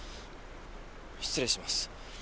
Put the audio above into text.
失礼します。